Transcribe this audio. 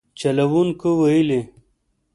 چلوونکو ویلي